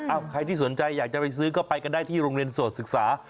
ใครที่สนใจอยากจะไปซื้อก็ไปกันได้ที่โรงเรียนโสดศึกษา